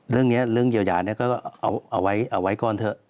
เรื่องเยียวยายนี้ก็เอาไว้ก่อนเถอะ